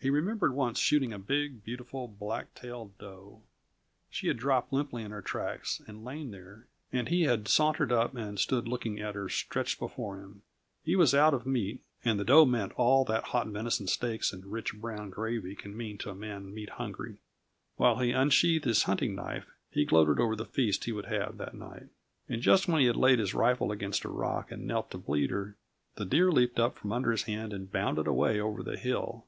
He remembered once shooting a big, beautiful, blacktail doe. She had dropped limply in her tracks and lain there, and he had sauntered up and stood looking at her stretched before him. He was out of meat, and the doe meant all that hot venison steaks and rich, brown gravy can mean to a man meat hungry. While he unsheathed his hunting knife, he gloated over the feast he would have, that night. And just when he had laid his rifle against a rock and knelt to bleed her, the deer leaped from under his hand and bounded away over the hill.